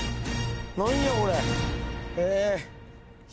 何やこれ。